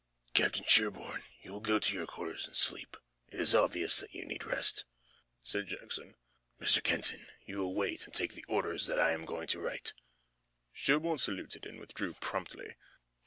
"Captain Sherburne, you will go to your quarters and sleep. It is obvious that you need rest," said Jackson. "Mr. Kenton, you will wait and take the orders that I am going to write." Sherburne saluted and withdrew promptly.